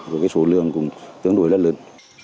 với cái số lượng cũng tương đối rất lớn